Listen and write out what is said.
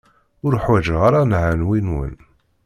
Ur ḥwaǧeɣ ara nnhawi-nwen.